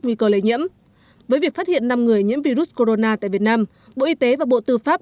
nguy cơ lây nhiễm với việc phát hiện năm người nhiễm virus corona tại việt nam bộ y tế và bộ tư pháp